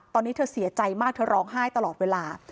ตอนนี้เธอเสียใจมากเธอร้องไห้ตลอดเวลา